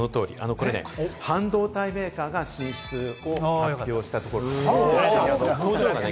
これね、半導体メーカーが進出を発表したところ。